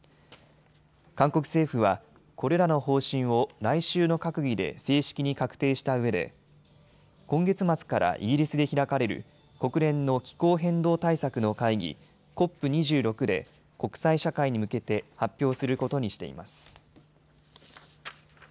韓国政府はこれらの方針を来週の閣議で正式に確定したうえで今月末からイギリスで開かれる国連の気候変動対策の会議、ＣＯＰ２６で国際社会に向けて発表することにしています。